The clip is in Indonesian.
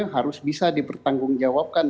harus bisa dipertanggung jawabkan